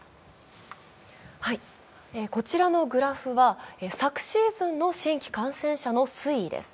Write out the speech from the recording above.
こちらのグラフは、昨シーズンの新規感染者の推移です。